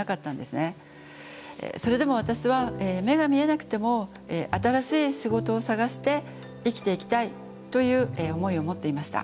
それでも私は目が見えなくても新しい仕事を探して生きていきたいという思いを持っていました。